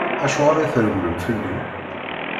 Acuɣer i tregglem fell-i?